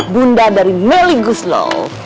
bunda dari meli guslo